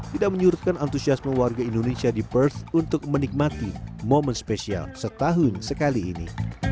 tidak menyurutkan antusiasme warga indonesia di perth untuk menikmati momen spesial setahun sekali ini